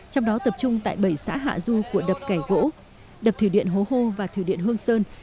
trong đó tập trung tại bảy xã hạ du của đập cải gỗ đập thủy điện hố hô và thủy điện hương sơn